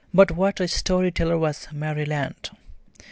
But what a story teller was Mary Lant!